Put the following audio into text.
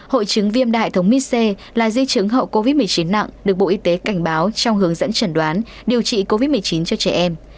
hội chứng viêm đa hệ thống mis c là di chứng hậu covid một mươi chín nặng được bộ y tế cảnh báo trong hướng dẫn trần đoán điều trị covid một mươi chín cho trẻ em